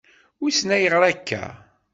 Wissen ayɣeṛ akka.